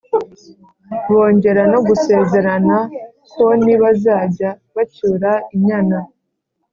bongera no gusezerana ko nibazajya bacyura inyana,